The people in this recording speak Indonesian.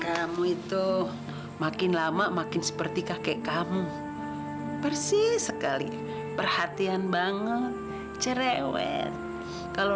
kamu itu makin lama makin seperti kakek kamu bersih sekali perhatian banget cerewet kalau